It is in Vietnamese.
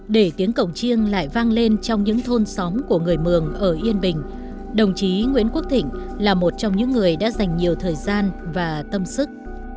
để tiếng cổng chiêng lại vang lên trong những thôn xóm của người mường ở yên bình đồng chí nguyễn quốc thịnh là một trong những người đã dành nhiều thời gian và tâm sức